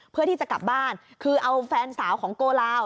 เพื่อที่จะกลับบ้านคือเอาแฟนสาวของโกลาว